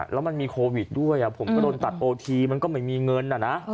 แล้วมันมีโควิดด้วยผมก็โดนตัดโอทีมันก็ไม่มีเงินนะ